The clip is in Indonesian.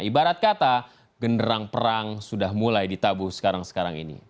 ibarat kata genderang perang sudah mulai ditabuh sekarang sekarang ini